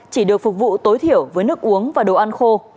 chỉ được phục vụ tối thiểu với nước uống và đồ ăn khô